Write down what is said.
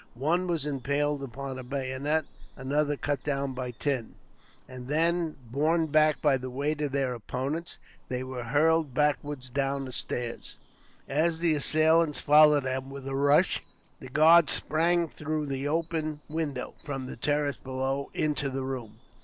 One was impaled upon a bayonet, another cut down by Tim, and then, borne back by the weight of their opponents, they were hurled backwards down the stairs. As the assailants followed them with a rush, the guard sprang through the open window, from the terrace below, into the room.